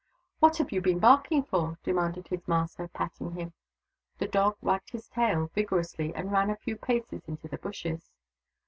" What have you been barking for ?" demanded his master, patting him. The dog wagged his tail vigorously and ran a few paces into the bushes.